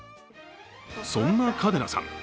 そんな嘉手納さん。